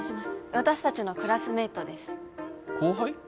私達のクラスメイトです後輩？